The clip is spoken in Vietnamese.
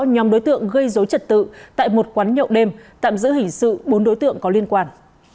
nhóm đối tượng gây dối trật tự tại một quán nhậu đêm tạm giữ hình sự bốn đối tượng có liên quan